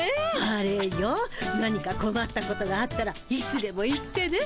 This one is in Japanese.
あれよ何かこまったことがあったらいつでも言ってね。